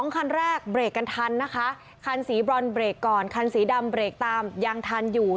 คันแรกเบรกกันทันนะคะคันสีบรอนเบรกก่อนคันสีดำเบรกตามยังทันอยู่